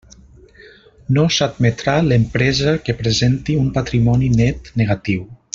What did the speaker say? No s'admetrà l'empresa que presenti un patrimoni net negatiu.